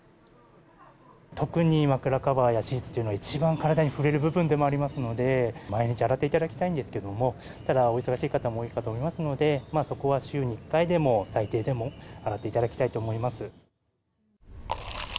特に枕カバーやシーツというのは、一番体に触れる部分でもありますので、毎日洗っていただきたいんですけれども、ただ、お忙しい方も多いかと思いますので、そこは週に１回でも、最低でも洗っていただきたいと思います。